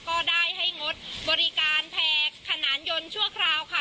ก็ได้ให้งดบริการแพร่ขนานยนต์ชั่วคราวค่ะ